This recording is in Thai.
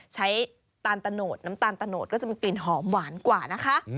ตาลตะโนดน้ำตาลตะโนดก็จะมีกลิ่นหอมหวานกว่านะคะ